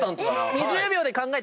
２０秒で考えて書きも？